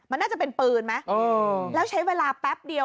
มันน่าจะเป็นปืนไหมแล้วใช้เวลาแป๊บเดียว